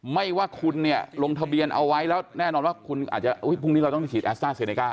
ไม่ว่าคุณเนี่ยลงทะเบียนเอาไว้แล้วแน่นอนว่าคุณอาจจะพรุ่งนี้เราต้องฉีดแอสต้าเซเนก้า